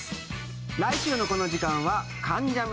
来週のこの時間は「関ジャム」